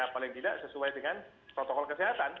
paling tidak sesuai dengan protokol kesehatan